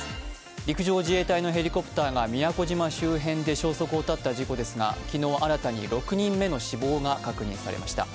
陸上自衛隊のヘリコプターが宮古島周辺で消息を絶った事故ですが昨日、新たに６人目の死亡が確認されました。